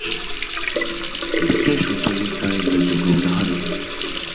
এক্ষেত্রে সত্যজিৎ রায় উল্লেখযোগ্য উদাহরণ।